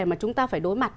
mà chúng ta phải đối mặt